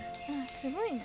すごいな。